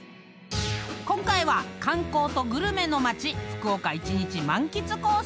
［今回は観光とグルメの街福岡一日満喫コース！］